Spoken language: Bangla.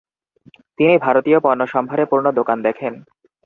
তিনি ভারতীয় পণ্যসম্ভারে পূর্ণ দোকান দেখেন।